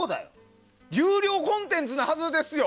優良コンテンツなはずですよ